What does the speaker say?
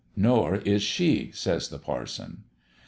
"' Nor is she,' says the parson.